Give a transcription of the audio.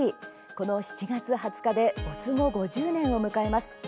この７月２０日で没後５０年を迎えます。